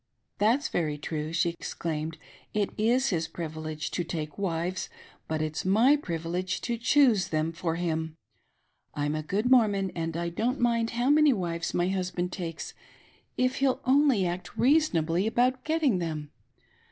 " That's very true," she exclaimed, " it is his privilege to take wives, but it's m)t^ privilege to choose them for him. I'm a good Mormon and I don't mind how many wives my hus band takes, if he'll only act reasonably about getting them.